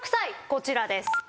こちらです。